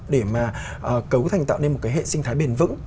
để mà cấu thành tạo nên một cái hệ sinh thái bền vững